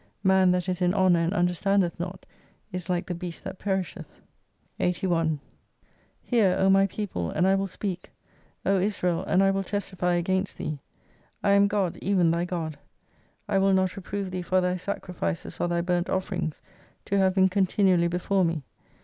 Man that is in honour and understandeih not, is like the beast that peris heth. 81 Hear, O my people, and I ivill speak ; O Israel, and I will testify against thee. I am God, even thy God. I will not reprove thee for thy sacrifices or thy burnt offerings, to have been continually before me.